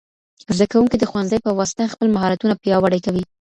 زدهکوونکي د ښوونځي په واسطه خپل مهارتونه پیاوړي کوي.